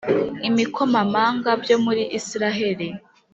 Imikomamanga byo muri isiraheri